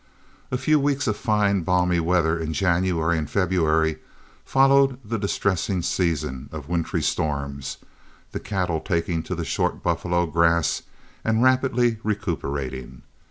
A few weeks of fine balmy weather in January and February followed the distressing season of wintry storms, the cattle taking to the short buffalo grass and rapidly recuperating.